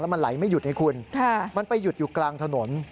มันไหลไม่หยุดไงคุณมันไปหยุดอยู่กลางถนน